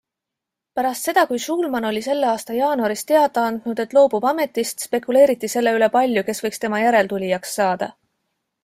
Pärast seda, kui Shulman oli selle aasta jaanuaris teada andnud, et loobub ametist, spekuleeriti selle üle palju, kes võiks tema järeltulijaks saada.